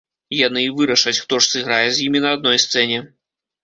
Яны і вырашаць, хто ж сыграе з імі на адной сцэне.